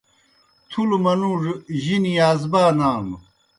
تُھلوْ منُوڙوْ جِنیْ یازبا نانوْ۔